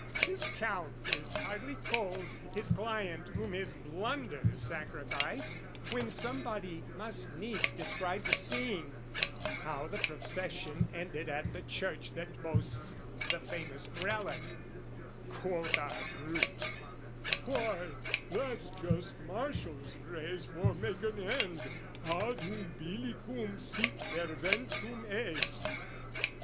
His Count is hardly cold, His client whom his blunders sacrificed, When somebody must needs describe the scene How the procession ended at the church That boasts the famous relic: quoth our brute, "Why, that's just Martial's phrase for 'make an end' "Ad umbilicum sic perventum est!"